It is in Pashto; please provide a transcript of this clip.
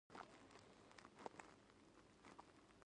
د تخار په اشکمش کې د قیمتي ډبرو نښې دي.